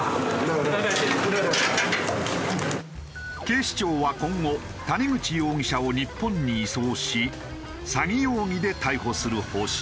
警視庁は今後谷口容疑者を日本に移送し詐欺容疑で逮捕する方針だ。